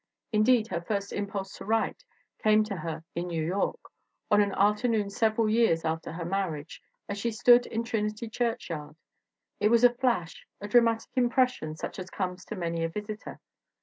Indeed, her first im pulse to write came to her in New York, on an after noon several years after her marriage, as she stood in Trinity churchyard. It was a flash, a dramatic impression such as comes to many a visitor.